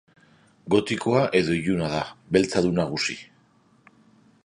Gotikoa edo iluna da, beltza du nagusi.